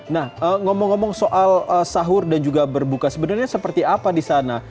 nah ngomong ngomong soal sahur dan juga berbuka sebenarnya seperti apa di sana